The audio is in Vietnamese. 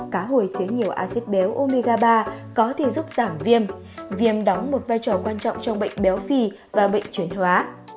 cá hồi chứa nhiều axit béo omega ba có thể giúp giảm viêm viêm đóng một vai trò quan trọng trong bệnh béo phi và bệnh chuyển hóa